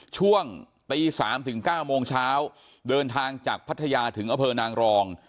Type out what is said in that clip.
ช่วงตี๓ถึง๙โมงเช้าเดินทางจากพัทยาถึงอเภอนางรอง